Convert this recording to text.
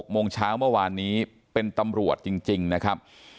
โมงเช้าเมื่อวานนี้เป็นตำรวจจริงนะครับ